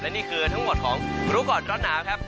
และนี่คือทั้งหมดของรุ่นดูหนาวครับ